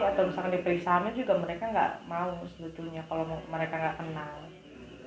atau misalkan diperiksa sama juga mereka gak mau sebetulnya kalau mereka gak kenal